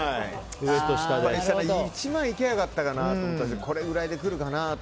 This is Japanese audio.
１万いけばよかったかなと思ったんですけどこれぐらいでくるかなと。